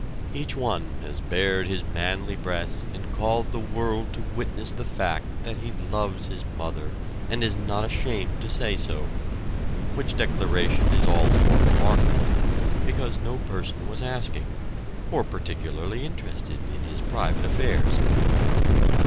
Each one has bared his manly breast and called the world to witness the fact that he loves his mother and is not ashamed to say so which declaration is all the more remarkable because no person was asking, or particularly interested in his private affairs.